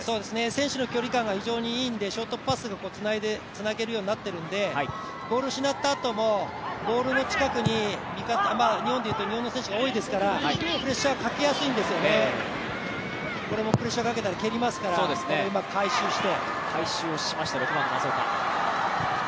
選手の距離感が非常にいいので、ショートパスがつなげるようになっているのでボール失ったあともボールの近くに日本でいうと日本の選手が多いですからプレッシャーかけやすいんですよね、これもプレッシャーかけたら蹴りますから、これをうまく回収して。